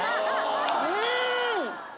うん！